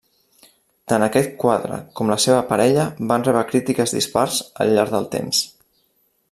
Tant aquest quadre com la seva parella van rebre crítiques dispars al llarg del temps.